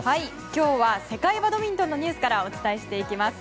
今日は世界バドミントンのニュースからお伝えします。